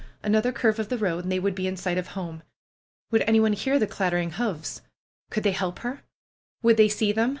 Another curve of the road, and they would be in sight of home. Would any one hear the noise of the 194. PRUE'S GARDENER clattering hoofs? Could they help her? Would they see them?